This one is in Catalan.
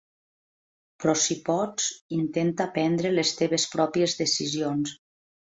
Però, si pots, intenta prendre les teves pròpies decisions.